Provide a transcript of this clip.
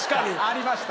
ありました。